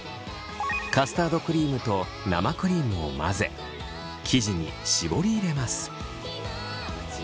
カスタードクリームと生クリームを混ぜ生地に絞り入れます。